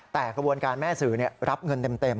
แต่กระบวนการแม่สื่อรับเงินเต็ม